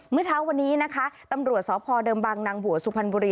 เมื่อเช้าวันนี้นะคะตำรวจสพเดิมบางนางบวชสุพรรณบุรี